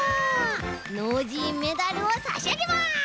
ノージーメダルをさしあげます！